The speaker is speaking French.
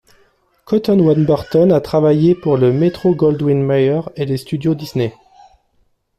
Cotton Warburton a travaillé pour la Metro-Goldwyn-Mayer et les studios Disney.